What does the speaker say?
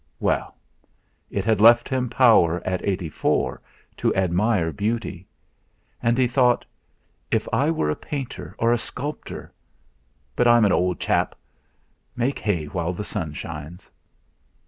Well! It had left him power, at eighty four, to admire beauty. And he thought, 'If I were a painter or a sculptor! But I'm an old chap. Make hay while the sun shines.'